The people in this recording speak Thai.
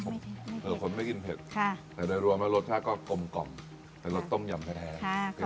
ค่ะไม่ทำเผื่อคนไม่กินเผ็ดค่ะแต่โดยรวมแล้วรสชาติก็กลมกล่อมแต่รสต้มยำแทนแทนค่ะ